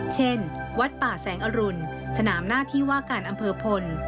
เช่นวัดป่าแสงอรุณสนามหน้าที่ว่าการอำเภอพล